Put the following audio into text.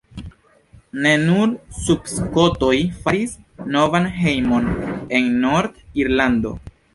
Ne nur sudskotoj faris novan hejmon en Nord-Irlando.